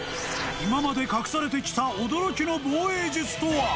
今まで隠されてきた驚きの防衛術とは？